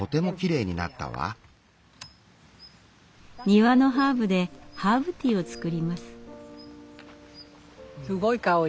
庭のハーブでハーブティーを作ります。